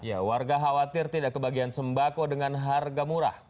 ya warga khawatir tidak kebagian sembako dengan harga murah